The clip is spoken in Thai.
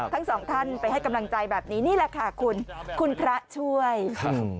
ทั้งสองท่านไปให้กำลังใจแบบนี้นี่แหละค่ะคุณคุณพระช่วยครับ